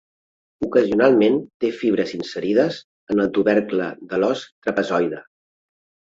Ocasionalment té fibres inserides en el tubercle de l'os trapezoide.